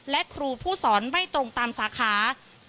และครูผู้สอนไม่ตรงตามสาขา